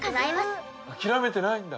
諦めてないんだ。